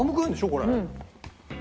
これ。